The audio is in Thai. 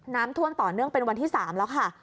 น้ำท่วมต่อเนื่องเป็นวันที่๓แล้วค่ะ